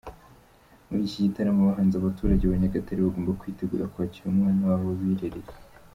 Muri iki gitaramo abahanzi abaturage ba Nyagatare bagomba kwitegura kwakira umwana wabo birereye.